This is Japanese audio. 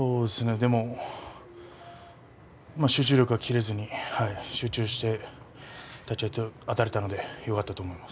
でも、集中力が切れずに集中して立ち合いあたれたのでよかったと思います。